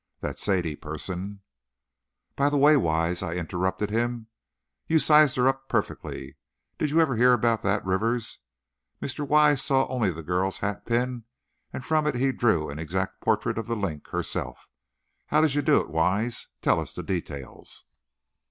That Sadie person " "By the way, Wise," I interrupted him, "you sized her up perfectly! Did you ever hear about that, Rivers? Mr. Wise saw only the girl's hatpin, and from it he drew an exact portrait of 'The Link' herself. How did you do it, Wise? Tell us the details."